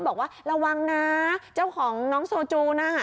บอกว่าระวังนะเจ้าของน้องโซจูนะ